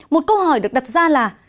một câu hỏi được đặt ra là